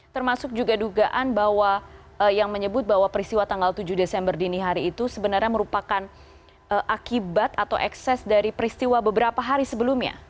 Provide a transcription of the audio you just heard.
termasuk juga dugaan bahwa yang menyebut bahwa peristiwa tanggal tujuh desember dini hari itu sebenarnya merupakan akibat atau ekses dari peristiwa beberapa hari sebelumnya